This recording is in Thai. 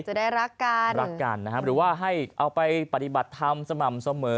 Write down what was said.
จะได้รักกันรักกันนะครับหรือว่าให้เอาไปปฏิบัติธรรมสม่ำเสมอ